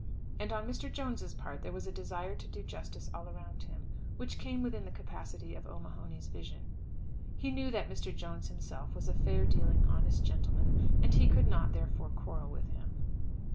And on Mr. Jones's part there was a desire to do justice to all around him, which came within the capacity of O'Mahony's vision. He knew that Mr. Jones himself was a fair dealing, honest gentleman, and he could not, therefore, quarrel with him.